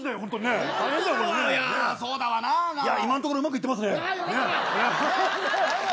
今んところうまくいってますね。